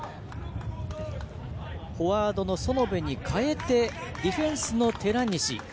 フォワードの園部に代えてディフェンスの寺西。